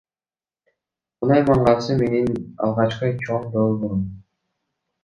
Кунай мангасы менин алгачкы чоң долбоорум.